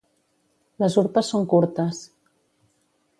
Les urpes són curtes.